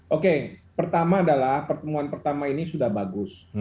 oke pertama adalah pertemuan pertama ini sudah bagus